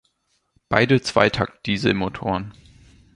Beide Zwei-Takt Dieselmotoren.